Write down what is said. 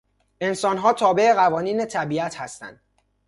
انسانها تابع قوانین طبیعت هستند.